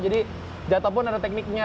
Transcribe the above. jadi jatuh pun ada tekniknya